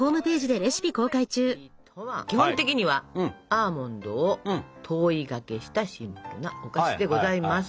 コンフェッティとは基本的にはアーモンドを糖衣がけしたシンプルなお菓子でございます。